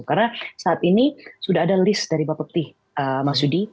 karena saat ini sudah ada list dari bapak peti mas yudi